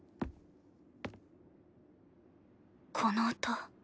この音。